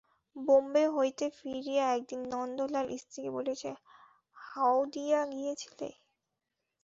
বোম্বে হইতে ফিরিয়া একদিন নন্দলাল স্ত্রীকে বলিয়াছিল, হাওদিয়া গিয়েছিলে?